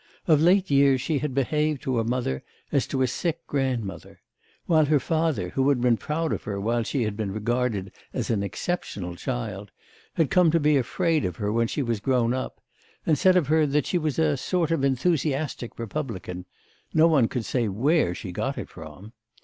Of late years she had behaved to her mother as to a sick grandmother; while her father, who had been proud of her while she had been regarded as an exceptional child, had come to be afraid of her when she was grown up, and said of her that she was a sort of enthusiastic republican no one could say where she got it from.